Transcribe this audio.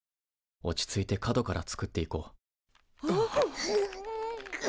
落ち着いて角から作っていこう。